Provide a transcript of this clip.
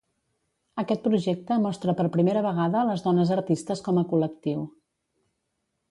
Aquest projecte mostra per primera vegada les dones artistes com a col·lectiu.